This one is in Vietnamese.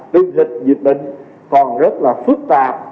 tình dịch dịch bệnh còn rất là phức tạp